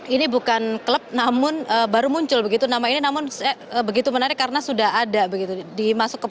ini bukan klub namun baru muncul begitu nama ini namun begitu menarik karena sudah ada begitu